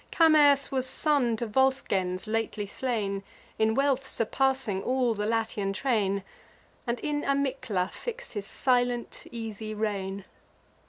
Camers was son to Volscens lately slain, In wealth surpassing all the Latian train, And in Amycla fix'd his silent easy reign.